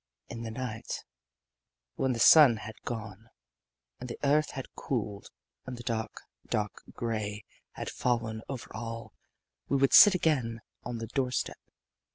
In the night, when the sun had gone and the earth had cooled and the dark, dark gray had fallen over all, we would sit again on the doorstep.